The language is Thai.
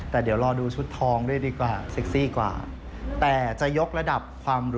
แต่เดี๋ยวรอดูชุดทองด้วยดีกว่า